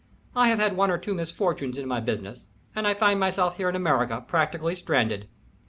I have had one or two misfortunes in my business, and find myself here in America practically stranded."